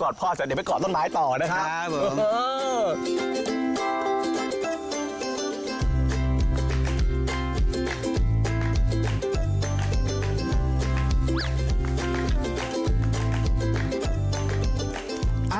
กอดพ่อแต่เดี๋ยวไปกอดต้นไม้ต่อนะครับโอ้โฮโอ้โฮโอ้โฮโอ้โฮ